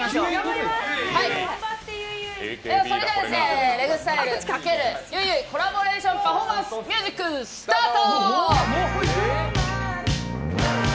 それでは、ＲＥＧ☆ＳＴＹＬＥ×コラボレーションパフォーマンスミュージック、スタート。